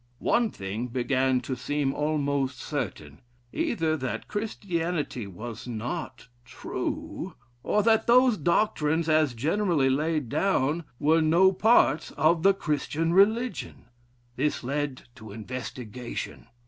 One thing began to seem almost certain, either that Christianity was not true, or that those doctrines as generally laid down, were no parts of the Christian religion. This led to investigation.